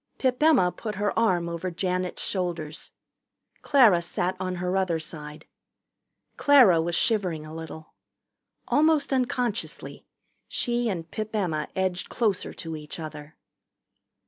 Pip Emma put her arm over Janet's shoulders. Clara sat on her other side. Clara was shivering a little. Almost unconsciously she and Pip Emma edged closer to each other.